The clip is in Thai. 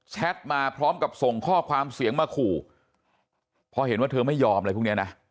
มาพร้อมกับส่งข้อความเสียงมาขู่พอเห็นว่าเธอไม่ยอมอะไรพวกนี้นะ